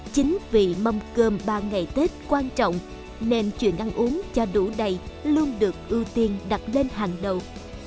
chính vì mâm cơm ba ngày tết quan trọng nên chuyện ăn uống cho đủ đầy luôn được ưu tiên đặt lên hàng đầu